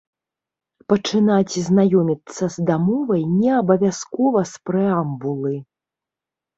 Пачынаць знаёміцца з дамовай не абавязкова з прэамбулы.